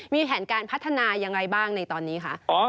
มีแผนการพัฒนายังไงบ้างในตอนนี้คะ